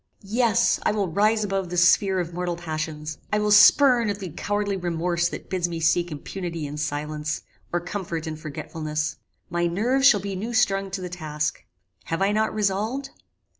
Yes, I will rise above the sphere of mortal passions: I will spurn at the cowardly remorse that bids me seek impunity in silence, or comfort in forgetfulness. My nerves shall be new strung to the task. Have I not resolved?